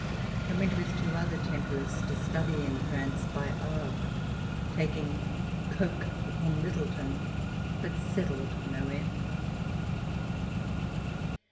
I went with two other Templars to study in France, by Havre, taking Coke upon Littleton but settled nowhere.